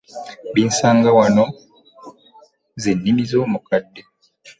Binsanga wano ze nnimi z'omukadde.